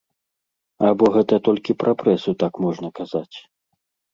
Або гэта толькі пра прэсу так можна казаць?